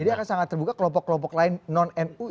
jadi akan sangat terbuka kelompok kelompok lain non nu